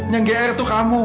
yang gr tuh kamu